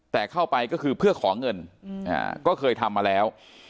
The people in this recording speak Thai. แต่เข้าไปก็คือเพื่อขอเงินก็เคยทำมาแล้ว